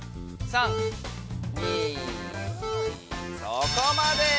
そこまで！